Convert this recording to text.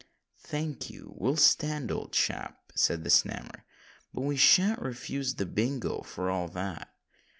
"Thank'ee, we'll stand, old chap," said the Snammer; "but we shan't refuse the bingo, for all that."